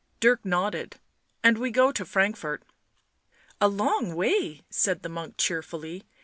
Dirk nodded. " And we go to Frankfort." " A long way," said the monk cheerfully.